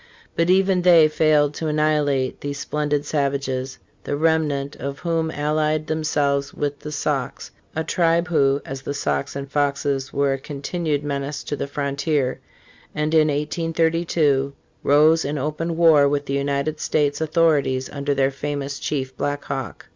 But even they failed to anni hilate these splendid savages, the remnant of whom allied themselves with the Sauks, a tribe who, as the Sauks and Foxes, were a continued menace to the frontier, and, in 1832, rose in open war with the United States au thorities under their famous chief Black Hawk.